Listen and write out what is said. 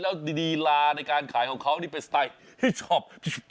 แล้วลีลาในการขายของเขานี่เป็นสไตล์ที่ชอบ